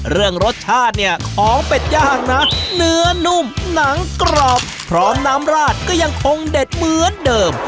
เรื่องรสชาติเนี่ยของเป็ดย่างนะเนื้อนุ่มหนังกรอบพร้อมน้ำราดก็ยังคงเด็ดเหมือนเดิม